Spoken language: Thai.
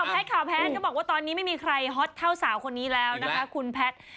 แพทย์ข่าวแพทย์ก็บอกว่าตอนนี้ไม่มีใครฮอตเท่าสาวคนนี้แล้วนะคะคุณแพทย์